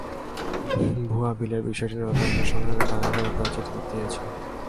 ভুয়া বিলের বিষয়টি নজরে আসার সঙ্গে সঙ্গে টাকা ফেরত দেওয়ার চিঠি দিয়েছি।